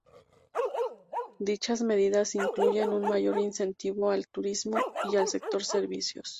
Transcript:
Dichas medidas incluyen un mayor incentivo al turismo y al sector servicios.